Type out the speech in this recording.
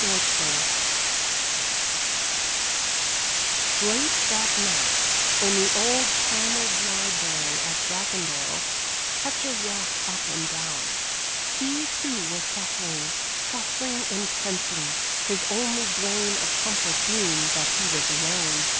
XXIX Late that night, in the old panelled library at Bracondale, Hector walked up and down. He, too, was suffering, suffering intensely, his only grain of comfort being that he was alone.